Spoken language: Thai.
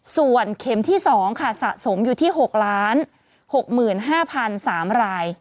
ส่วนเข็มที่๒ค่ะสะสมอยู่ที่๖๖๕๓ราย